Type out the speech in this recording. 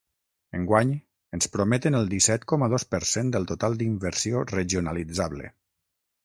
Enguany, ens prometen el disset coma dos per cent del total d’inversió regionalitzable.